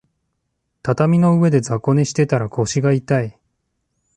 畳の上で雑魚寝してたら腰が痛い